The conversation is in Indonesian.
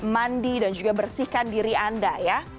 mandi dan juga bersihkan diri anda ya